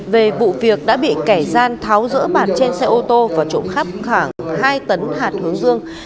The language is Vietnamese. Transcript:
về vụ việc đã bị kẻ gian tháo giữa bàn trên xe ô tô và trộn cắp khoảng hai tấn hạt hướng dương